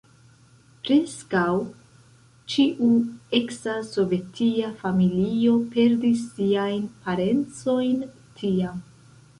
Preskaŭ ĉiu eksa sovetia familio perdis siajn parencojn tiam.